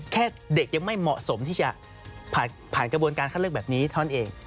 แค่เด็กยังไม่เหมาะสมที่จะผ่านกระบวนการคัดเลือกแบบนี้เท่านั้นเอง